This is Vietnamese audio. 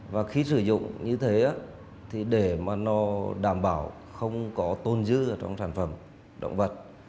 và khi sử dụng như thế để đảm bảo không có tồn dư trong sản phẩm động vật